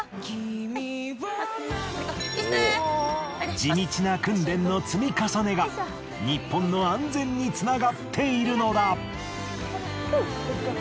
地道な訓練の積み重ねが日本の安全につながっているのだ。